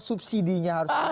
subsidinya harus ada